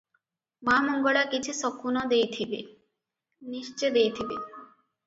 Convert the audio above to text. ମା ମଙ୍ଗଳା କିଛି ଶକୁନ ଦେଇଥିବେ, ନିଶ୍ଚେ ଦେଇଥିବେ ।